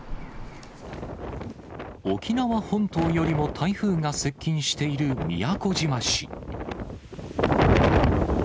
沖縄本島よりも台風が接近している宮古島市。